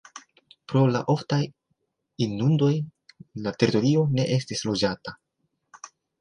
Pro la oftaj inundoj la teritorio ne estis loĝata.